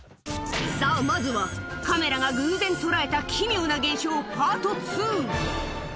さあ、まずはカメラが偶然捉えた奇妙な現象パート２。